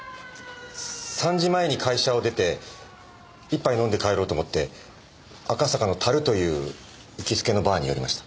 ３時前に会社を出て１杯飲んで帰ろうと思って赤坂の「樽」という行きつけのバーに寄りました。